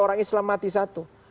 orang islam mati satu